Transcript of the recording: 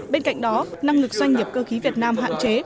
bên cạnh đó năng lực doanh nghiệp cơ khí việt nam hạn chế